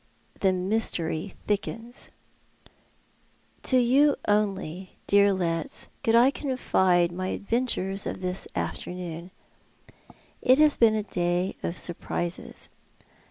The mystery thickens. To you only, dear Letts, could I confide my adventures of this afternoon. It has been a day of surprises.